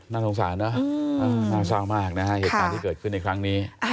น่าสงสารนะน่าเศร้ามากนะฮะเหตุการณ์ที่เกิดขึ้นในครั้งนี้